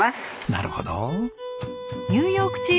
なるほど。